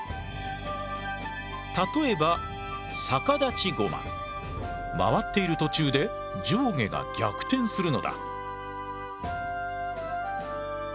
例えば回っている途中で上下が逆転するのだ。